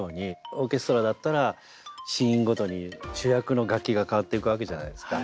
オーケストラだったらシーンごとに主役の楽器がかわっていくわけじゃないですか。